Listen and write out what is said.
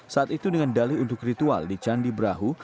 saat itu dengan dali untuk ritual di candi brahu